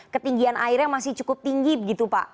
ketinggian airnya masih cukup tinggi begitu pak